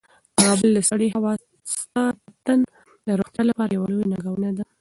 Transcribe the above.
د کابل سړې هوا ستا د تن د روغتیا لپاره یوه لویه ننګونه ده.